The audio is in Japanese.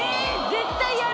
絶対やる。